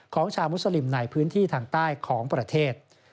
ของชาวมุสลิมในพื้นที่ทางใต้ของประเทศ